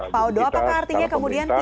pak odo apakah artinya kemudian